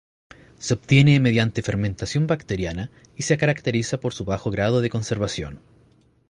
Se obtiene mediante fermentación bacteriana y se caracteriza por su bajo grado de conservación.